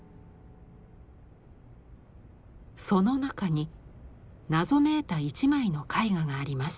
その中に謎めいた一枚の絵画があります。